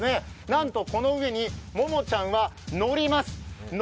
なんとこの上に、ももちゃんが乗ります。